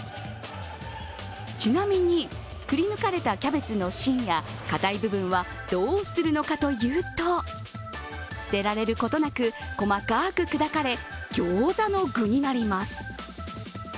ちなみに、くり抜かれたキャベツの芯や硬い部分はどうするのかというと捨てられることなく、細かく砕かれ餃子の具になります。